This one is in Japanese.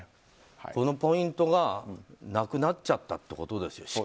このポイントがなくなっちゃったってことですよ